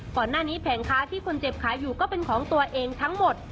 แผงค้าที่คนเจ็บขายอยู่ก็เป็นของตัวเองทั้งหมด